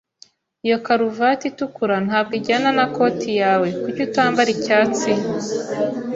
Iyo karuvati itukura ntabwo ijyana na koti yawe. Kuki utambara icyatsi?